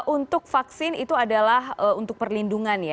untuk vaksin itu adalah untuk perlindungan ya